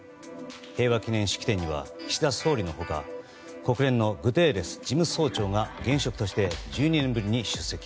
平和記念式典には岸田総理の他国連のグテーレス事務総長が現職として１２年ぶりに出席。